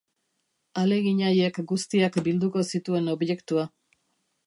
Ahalegin haiek guztiak bilduko zituen objektua.